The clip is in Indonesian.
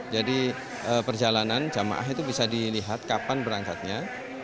jadi perjalanan jemaah itu bisa dilihat kapan berangkatnya